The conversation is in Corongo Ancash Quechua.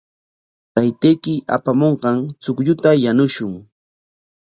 Taytayki apamunqan chuqlluta yanushun.